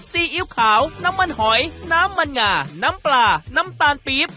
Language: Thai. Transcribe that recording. ซีอิ๊วขาวน้ำมันหอยน้ำมันงาน้ำปลาน้ำตาลปี๊บ